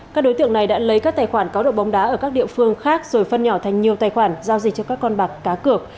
các đối tượng này đã lấy các tài khoản cáo độ bóng đá ở các địa phương khác rồi phân nhỏ thành nhiều tài khoản giao dịch cho các con bạc cá cược